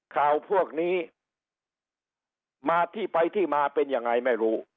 ข่าวพวกนี้มาที่ไปที่มาเป็นยังไงไม่รู้